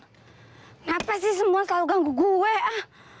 kenapa sih semua selalu ganggu saya